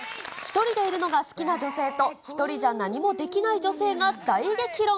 １人でいるのが好きな女性と、１人じゃ何もできない女性が大激論。